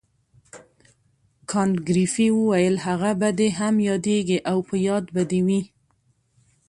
کانت ګریفي وویل هغه به دې هم یادیږي او په یاد به دې وي.